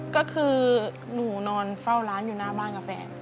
ก็คือหนูนอนเฝ้าร้านอยู่หน้าบ้านกับแฟน